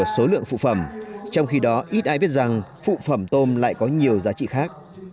số lượng phụ phẩm trong khi đó ít ai biết rằng phụ phẩm tôm lại có nhiều giá trị khác